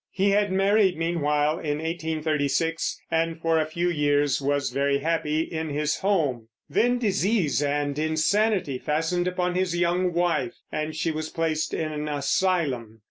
He had married, meanwhile, in 1836, and for a few years was very happy in his home. Then disease and insanity fastened upon his young wife, and she was placed in an asylum.